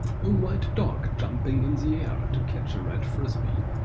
a white dog jumping in the air to catch a red Frisbee.